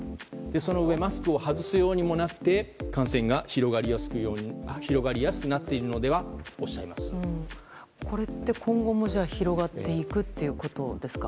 そのうえマスクを外すようにもなって感染が広がりやすくなっているのではとこれって、今後も広がっていくということですか。